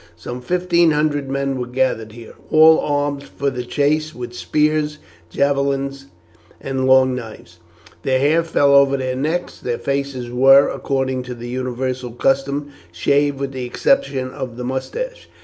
Some fifteen hundred men were gathered here, all armed for the chase with spears, javelins, and long knives. Their hair fell over their necks, their faces were, according to the universal custom, shaved with the exception of the moustache.